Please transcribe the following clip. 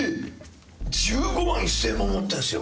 １５万１０００円も持ってるんですよ。